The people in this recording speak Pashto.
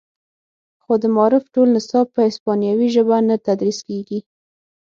خو د معارف ټول نصاب په هسپانوي ژبه نه تدریس کیږي